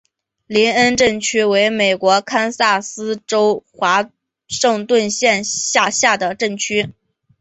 林恩镇区为美国堪萨斯州华盛顿县辖下的镇区。